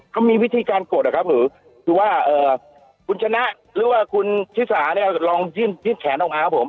เขามีวิธีการกดอะครับหรือคือว่าคุณชนะหรือว่าคุณชิสาเนี่ยลองยื่นแขนออกมาครับผม